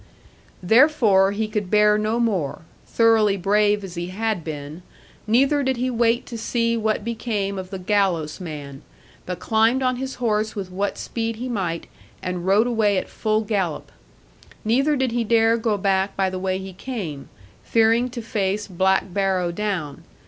Therefore he could bear no more, thoroughly brave as he had been, neither did he wait to see what became of the gallows man; but climbed on his horse with what speed he might, and rode away at full gallop. Neither did he dare go back by the way he came, fearing to face Black Barrow Down!